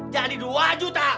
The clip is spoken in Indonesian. jadi dua juta